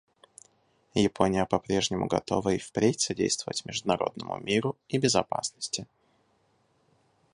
Япония по-прежнему готова и впредь содействовать международному миру и безопасности.